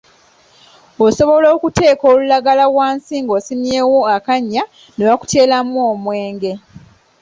Osobola okuteeka olulagala wansi ng’osimyewo akannya ne bakuteeramu omwenge.